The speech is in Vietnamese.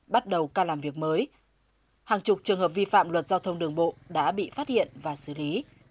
bắt đầu ca làm việc mới hàng chục trường hợp vi phạm luật giao thông đường bộ đã bị phát hiện và xử lý